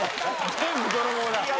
全部泥棒だ。